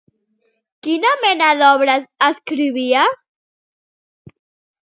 Quina mena d'obres escrivia?